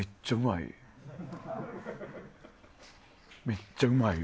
めっちゃうまい。